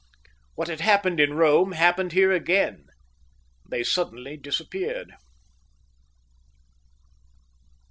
What had happened in Rome happened here again: they suddenly disappeared.